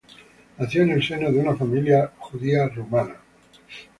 Nació en el seno de una familia judía rumana.